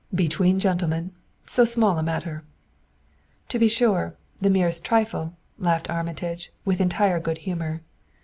"Between gentlemen so small a matter!" "To be sure the merest trifle," laughed Armitage with entire good humor.